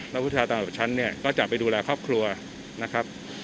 และประชาต่างจากประชันเนี่ยก็จะไปดูแลครอบครัวนะครับ